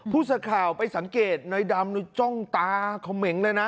ผู้สาขาวไปสังเกตหน่อยดำหนูจ้องตาเขาเม็งเลยนะ